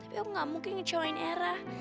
tapi aku nggak mungkin ngecoyain e intel uit ehrah